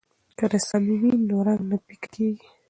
که رسامي وي نو رنګ نه پیکه کیږي.